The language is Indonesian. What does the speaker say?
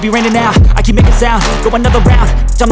pero nanti udah dengan kapal